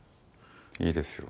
いいですよ。